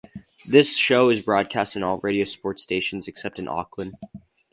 This show is broadcast on all Radio Sport stations except in Auckland.